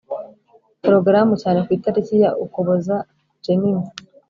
Porogaramu cyane ku itariki ya ukuboza jemima